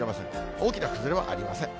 大きな崩れはありません。